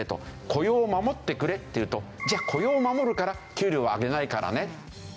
雇用を守ってくれっていうとじゃあ雇用を守るから給料は上げないからねって